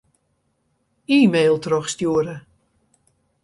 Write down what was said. E-mail trochstjoere.